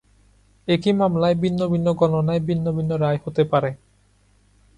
একই মামলায় ভিন্ন ভিন্ন গণনায় ভিন্ন ভিন্ন রায় হতে পারে।